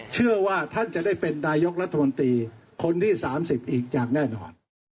เชื่อว่าท่านจะได้เป็นนายกรัฐมนตรีคนที่๓๐อีกอย่างแน่นอน